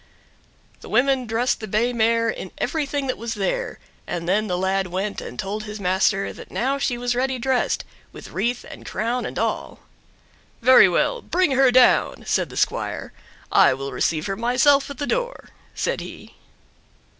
The women dressed the bay mare in everything that was there, and then the lad went and told his master that now she was ready dressed, with wreath and crown and all. "Very well, bring her down!" said the squire. "I will receive her myself at the door," said he.